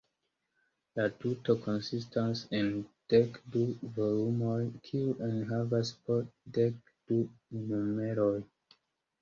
La tuto konsistas en dek du volumoj, kiuj enhavas po dek du numeroj.